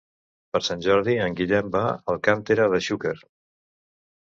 Per Sant Jordi en Guillem va a Alcàntera de Xúquer.